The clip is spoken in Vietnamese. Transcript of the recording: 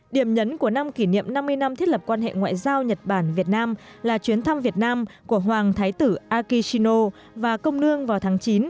điểm nhấn của năm kỷ niệm năm mươi năm thiết lập quan hệ ngoại giao nhật bản việt nam là chuyến thăm việt nam của hoàng thái tử akishino và công nương vào tháng chín